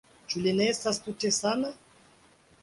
Ĉu li ne estas tute sana?